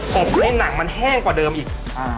ผมในหนังมันแห้งกว่าเดิมอีก